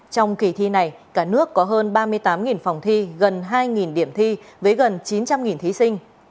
trong kỳ thi này cả nước có hơn ba mươi tám phòng thi gần hai điểm thi với gần chín trăm linh thí sinh